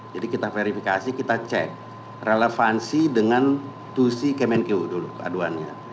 jadi kita verifikasi kita cek relevansi dengan tusi kemenkeu dulu keaduannya